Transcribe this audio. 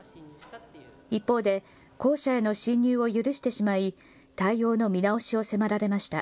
一方で校舎への侵入を許してしまい対応の見直しを迫られました。